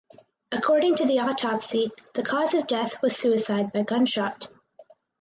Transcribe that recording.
According to the autopsy the cause of death was suicide by gunshot.